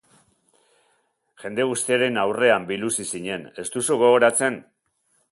Jende guztiaren aurrean biluzi zinen, ez duzu gogoratzen?